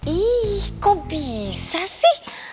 ih kok bisa sih